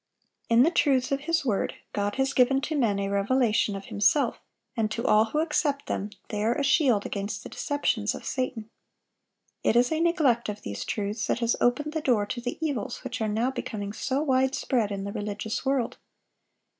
In the truths of His word, God has given to men a revelation of Himself; and to all who accept them they are a shield against the deceptions of Satan. It is a neglect of these truths that has opened the door to the evils which are now becoming so wide spread in the religious world.